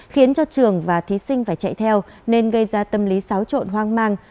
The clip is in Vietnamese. khiến cho trường và thí sinh phải chạy theo nên gây ra tâm lý xáo trộn hoang mang